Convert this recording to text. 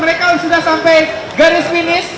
mereka sudah sampai garis finish